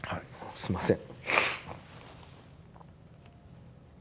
すいません。